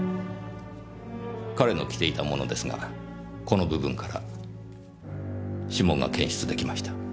彼の着ていたものですがこの部分から指紋が検出できました。